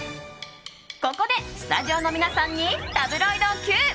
ここでスタジオの皆さんにタブロイドＱ！